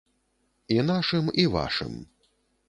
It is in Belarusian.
І нашым, і вашым.